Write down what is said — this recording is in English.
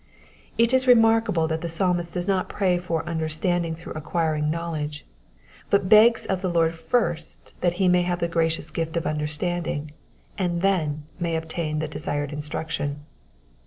It is remarkable that the Psalmist does not pray for understanding through acquiring knowledge, but bess of the Lord &«t that he may have the gracious gift of understanding, and then may obtain the desired instruc tion.